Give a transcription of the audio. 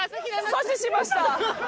阻止しました。